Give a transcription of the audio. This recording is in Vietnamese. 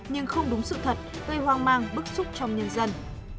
nhưng không đúng sự thật gây hoang mang bức xúc trong nhân dân